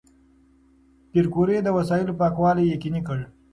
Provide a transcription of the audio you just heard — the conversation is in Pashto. پېیر کوري د وسایلو پاکوالي یقیني کړ.